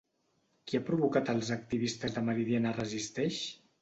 Qui ha provocat als activistes de Meridiana Resisteix?